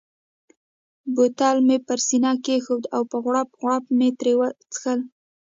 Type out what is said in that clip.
بوتل مې پر سینه کښېښود او په غوړپ غوړپ مې ترې څښل.